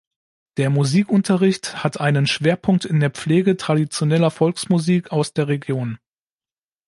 Der Musikunterricht hat einen Schwerpunkt in der Pflege traditioneller Volksmusik aus der Region.